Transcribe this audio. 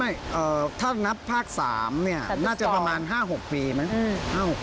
ไม่ถ้านับภาค๓เนี่ยน่าจะประมาณ๕๖ปีมั้ง